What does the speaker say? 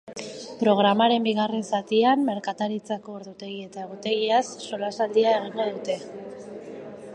Programaren bigarren zatian merkataritzako ordutegi eta egutegiaz solasaldia egingo dute.